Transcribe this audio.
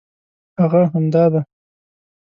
هغه همدا دی.